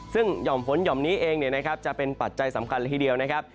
ซึ่งหย่อมฝนหย่อมนี้เองเนี่ยนะครับจะเป็นปัจจัยสำคัญทีเดียวนะครับ